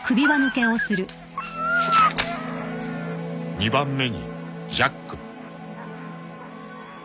［２番目にジャック］